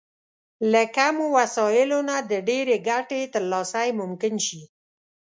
له کمو وسايلو نه د ډېرې ګټې ترلاسی ممکن شي.